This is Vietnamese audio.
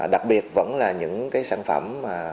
đặc biệt vẫn là những sản phẩm